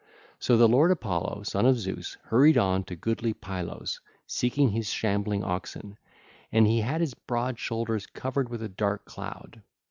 So the lord Apollo, son of Zeus, hurried on to goodly Pylos seeking his shambling oxen, and he had his broad shoulders covered with a dark cloud.